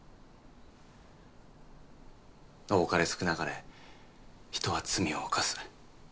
多かれ少なかれ人は罪を犯す。